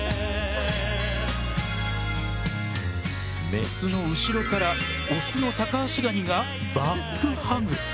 メスの後ろからオスのタカアシガニがバックハグ。